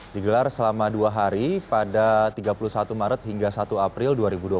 digelar selama dua hari pada tiga puluh satu maret hingga satu april dua ribu dua puluh